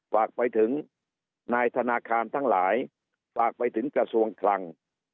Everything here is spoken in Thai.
ฝากไปถึงนายธนาคารทั้งหลายฝากไปถึงกระทรวงคลัง